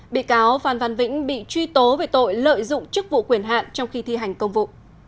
bị cáo phan văn vĩnh bị truy tố về tội lợi dụng chức vụ quyền hạn trong khi thi hành công vụ